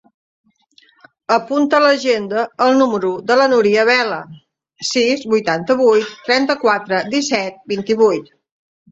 Apunta a l'agenda el número de la Núria Vela: sis, vuitanta-vuit, trenta-quatre, disset, vint-i-vuit.